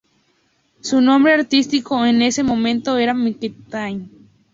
Su nombre artístico en ese momento era Mike Tani.